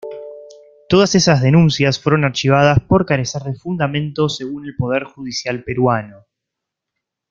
Todas esas denuncias fueron archivadas por carecer de fundamento según el poder judicial peruano.